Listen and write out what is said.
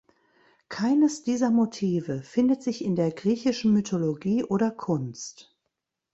Keines dieser Motive findet sich in der griechischen Mythologie oder Kunst.